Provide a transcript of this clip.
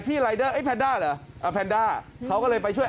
รายเดอร์ไอแนนด้าเหรอแพนด้าเขาก็เลยไปช่วย